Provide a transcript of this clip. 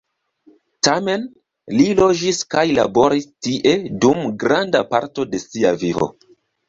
Tamen, li loĝis kaj laboris tie dum granda parto de sia vivo.